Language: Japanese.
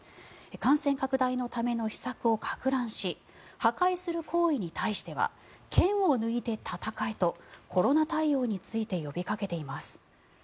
感染拡大のための施策をかく乱し破壊する行為に対しては剣を抜いて戦えとコロナ対応について呼びかけています。